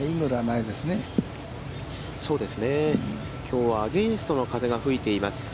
きょうはアゲインストの風が吹いています。